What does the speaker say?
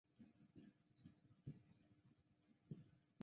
高放射性废物含有核反应堆产生的核裂变产物和超铀元素。